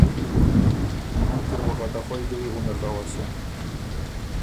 ”مُن کی ر بُو خه ته خوئ دُوی غندک اؤسېن“